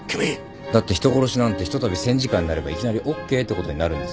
だって人殺しなんてひとたび戦時下になればいきなりＯＫってことになるんですよ。